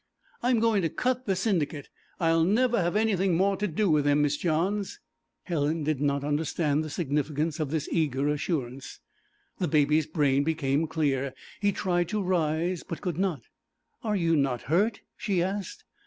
'I'm going to cut the Syndicate; I'll never have anything more to do with them, Miss Johns.' Helen did not understand the significance of this eager assurance. The Baby's brain became clear; he tried to rise, but could not. 'Are you not hurt?' she asked.